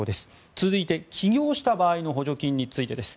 続いて、起業した場合の補助金についてです。